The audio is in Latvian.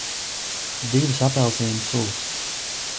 Divas apelsīnu sulas.